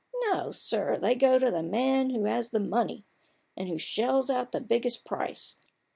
No, sir, they go to the man who has the money, and who shells out the biggest price.